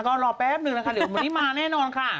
ก็รอแป๊บนึงนะคะเดี๋ยววันนี้มาแน่นอนค่ะ